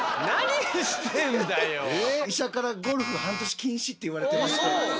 医者から「ゴルフ半年禁止」って言われてまして。